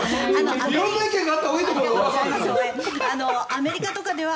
アメリカとかでは